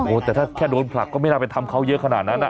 โอ้โหแต่ถ้าแค่โดนผลักก็ไม่น่าไปทำเขาเยอะขนาดนั้น